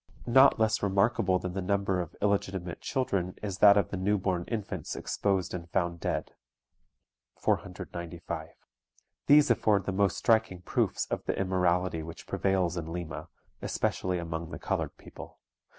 "Not less remarkable than the number of illegitimate children is that of the new born infants exposed and found dead (495). These afford the most striking proofs of the immorality which prevails in Lima, especially among the colored people.